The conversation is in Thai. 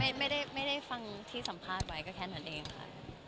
ไม่ได้ฟังที่สัมภาษณ์ไว้ก็แค่นั้นเองค่ะ